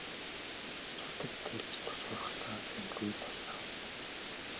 Судас тэлж цус хураахдаа гэмгүй болно.